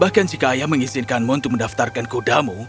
bahkan jika ayah mengizinkanmu untuk mendaftarkan kudamu